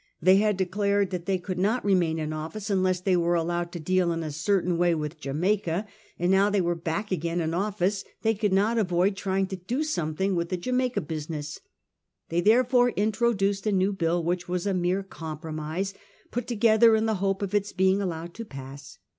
They bad declared that they could not remain in office unless they were allowed to deal in a certain way with Jamaica ; and now that they were back again in office, they could not avoid trying to do something with the Jamaica business. They therefore intro duced a new bill which was a mere compromise put together in the hope of its being allowed to pass.